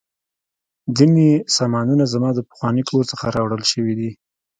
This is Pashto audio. ځینې سامانونه زما د پخواني کور څخه راوړل شوي دي